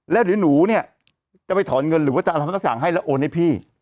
แล้วเดี๋ยวหนูเนี่ยจะไปถอนเงินหรือว่าจะอะไรมันก็สั่งให้แล้วโอนให้พี่